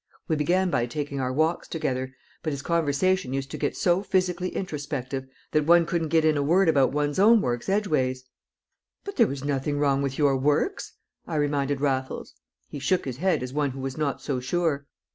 We began by taking our walks together, but his conversation used to get so physically introspective that one couldn't get in a word about one's own works edgeways." "But there was nothing wrong with your works," I reminded Raffles; he shook his head as one who was not so sure.